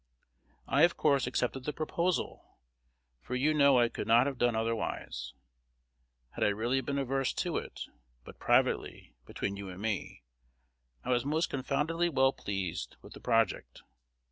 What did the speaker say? I, of course, accepted the proposal, for you know I could not have done otherwise, had I really been averse to it; but privately, between you and me, I was most confoundedly well pleased with the project.